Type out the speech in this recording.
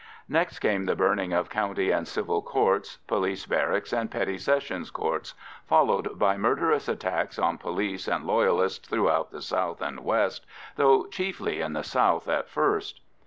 Next came the burning of County and Civil Courts, police barracks and Petty Sessions Courts, followed by murderous attacks on police and Loyalists throughout the south and west, though chiefly in the south at first.